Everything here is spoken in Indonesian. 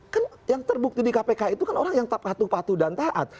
kan yang terbukti di kpk itu kan orang yang tak patuh patuh dan taat